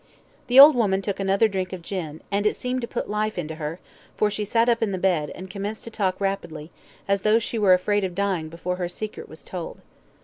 The old woman took another drink of gin, and it seemed to put life into her, for she sat up in the bed, and commenced to talk rapidly, as though she were afraid of dying before her secret was told.